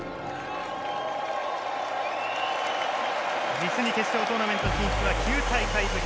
実に決勝トーナメント進出は９大会ぶり。